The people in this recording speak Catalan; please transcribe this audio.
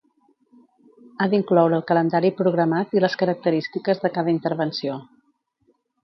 Ha d'incloure el calendari programat i les característiques de cada intervenció.